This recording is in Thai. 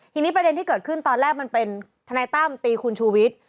ทีนี้ประเด็นที่เกิดขึ้นตอนแรกมันเป็นทนายตั้มตีคุณชูวิทย์